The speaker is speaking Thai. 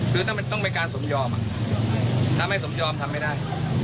หรือต้องการสมยอมถ้าไม่สมยอมทำไม่ได้